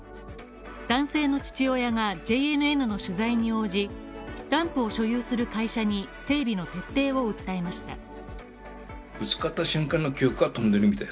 男性の父親がＪＮＮの取材に応じ、ダンプを所有する会社に整備の徹底を訴えました。